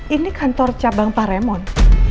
ini kantor cabang pak remon